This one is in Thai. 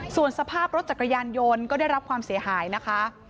ส่วนสภาพรถจักรยานยนต์ก็ได้รับความเสียหายนะคะ